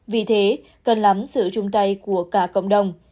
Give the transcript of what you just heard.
vì thế cần lắm sự chung tay của cả cộng đồng